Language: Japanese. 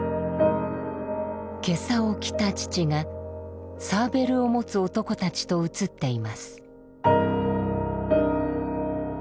袈裟を着た父がサーベルを持つ男たちと写っています。